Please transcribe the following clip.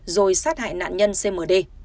rồi sát hại nạn nhân cmd